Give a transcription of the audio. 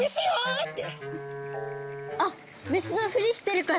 あっメスのふりしてるから。